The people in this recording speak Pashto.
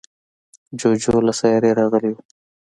جوجو له سیارې راغلی و.